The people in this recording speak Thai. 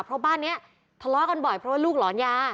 เพราะบ้านนี้ทะเลาะกันบ่อยเพราะว่าลูกหลอนยา